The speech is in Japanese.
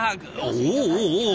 おおっおおおお。